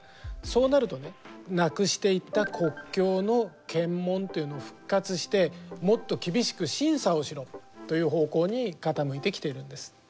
そうなるとねなくしていった国境の検問というのを復活してもっと厳しく審査をしろという方向に傾いてきているんです。